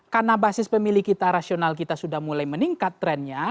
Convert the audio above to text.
karena basis pemilih kita rasional kita sudah mulai meningkat trend nya